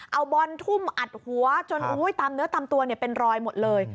เอาบอลทุ่มอัดหัวจนตามเนื้อตามตัวเป็นรอยหมดเลย